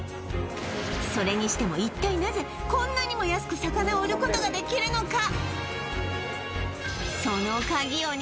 それにしても一体なぜこんなにも安く魚を売ることができるのか？